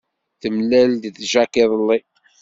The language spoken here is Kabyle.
Temlal-d Jack iḍelli.